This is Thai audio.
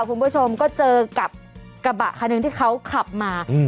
คุณผู้ชมก็เจอกับกระบะคันหนึ่งที่เขาขับมา